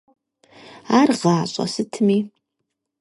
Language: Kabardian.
Ар гъащӀэ сытми?